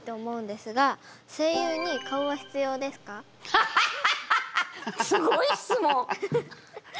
すごい質問！